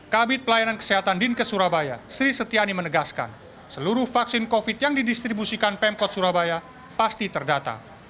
kabit pelayanan kesehatan dinkes surabaya sri setiani menegaskan seluruh vaksin covid yang didistribusikan pemkot surabaya pasti terdata